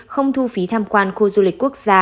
không thu phí tham quan khu du lịch quốc gia